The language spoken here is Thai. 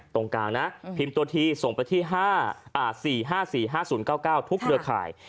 ตรงกลางนะพิมพ์ตัวทีส่งไปที่๔๕๔๕๐๙๙ทุกเครือข่าย